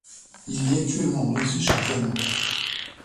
Il vit actuellement en Autriche, à Vienne.